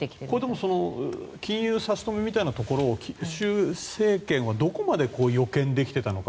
でも金融差し止めみたいなところを習政権はどこまで予見できてたのか。